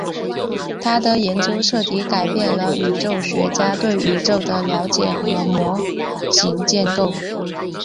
她的研究彻底改变了宇宙学家对宇宙的了解和模型建构。